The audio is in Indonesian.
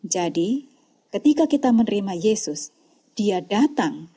jadi ketika kita menerima yesus dia datang